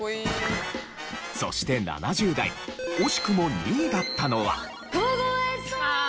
そして７０代惜しくも２位だったのは。